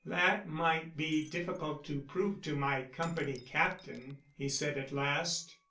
"That might be difficult to prove to my Company captain," he said at last.